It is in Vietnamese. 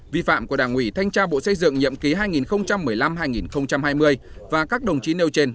vi phạm của đảng ủy thanh tra bộ xây dựng nhiệm ký hai nghìn một mươi năm hai nghìn hai mươi và các đồng chí nêu trên